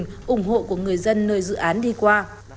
các cấp các ngành ủng hộ của người dân nơi dự án đi qua